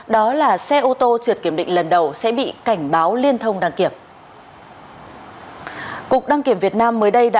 đó là xe ô tô trượt kiểm định lần đầu sẽ bị cảnh báo liên thông đăng kiểm